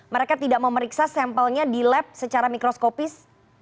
mereka tidak memeriksa sampelnya di lab secara mikroskopis